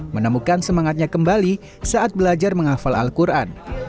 menemukan semangatnya kembali saat belajar menghafal al quran